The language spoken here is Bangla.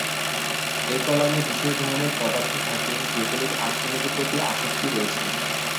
এ কলামে বিশেষ ধরনের পদার্থ থাকে যেগুলির আর্সেনিকের প্রতি আসক্তি রয়েছে।